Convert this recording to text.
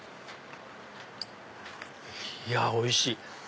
いやおいしい！